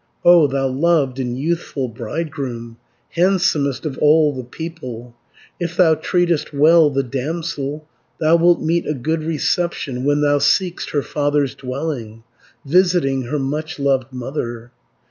"O thou loved and youthful bridegroom, Handsomest of all the people, If thou treatest well the damsel, Thou wilt meet a good reception When thou seek'st her father's dwelling, Visiting her much loved mother.